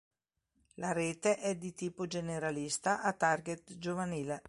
La rete è di tipo generalista a "target" giovanile.